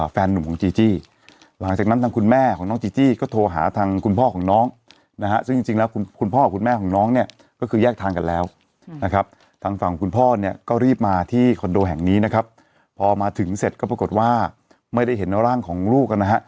พอมาถึงเสร็จก็ปรากฏว่าไม่ได้เห็นร่างของลูกนะฮะ